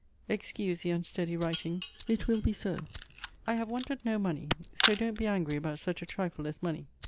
Excuse the unsteady writing. It will be so I have wanted no money: so don't be angry about such a trifle as money.